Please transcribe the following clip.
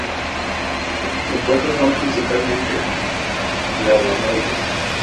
Estos compuestos son principalmente flavonoides.